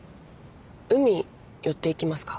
海寄っていきますか？